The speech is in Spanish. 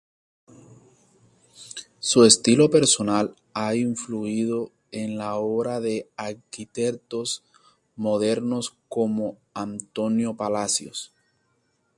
Su estilo personal ha influido en la obra de arquitectos modernos como Antonio Palacios.